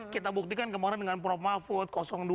kita buktikan kemarin dengan prof mahfud dua